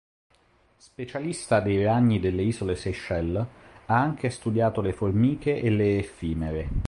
Specialista dei ragni delle isole Seychelles, ha anche studiato le formiche e le effimere.